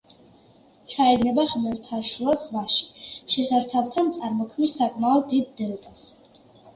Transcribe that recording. ჩაედინება ხმელთაშუა ზღვაში, შესართავთან წარმოქმნის საკმაოდ დიდ დელტას.